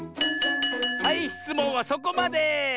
はいしつもんはそこまで！